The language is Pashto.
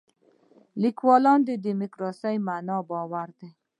لیکوال دیموکراسي معنا باور دی.